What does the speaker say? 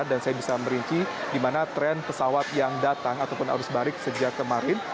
dan saya bisa merinci di mana tren pesawat yang datang ataupun arus balik sejak kemarin